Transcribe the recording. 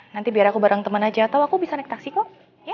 nanti biar aku bareng teman aja atau aku bisa naik taksi kok